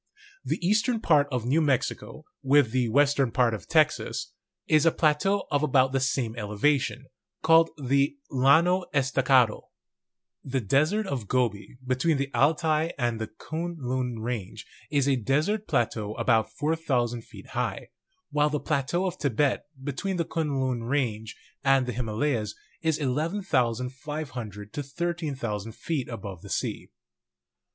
The eastern part of New Mexico, with the western part of Texas, is a plateau of about the same elevation, called the Llano Estacado. The Desert of Gobi, between the Altai and the Kuen Lun range, is a desert plateau about 4,000 feet high, while the plateau of Tibet, between the Kuen Lun range and the Himalayas, is 11,500 to 13,000 feet above the sea.